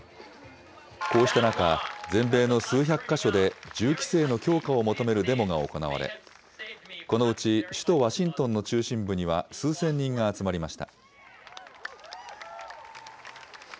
こうした中、全米の数百か所で銃規制の強化を求めるデモが行われ、このうち首都ワシントンの中心部には数千人が集まりました。